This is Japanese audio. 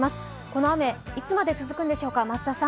この雨いつまで続くんでしょうか。